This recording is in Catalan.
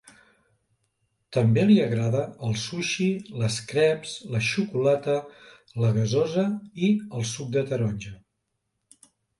També li agrada el sushi, les creps, la xocolata, la gasosa i el suc de taronja.